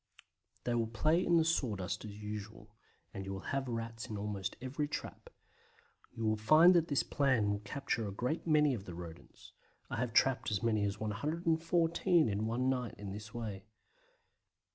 They will play in the sawdust as usual, and you will have Rats in almost every trap. You will find that this plan will capture a great many of the Rodents. I have trapped as many as 114 in one night in this way.